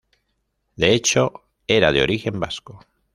De hecho, era de origen vasco.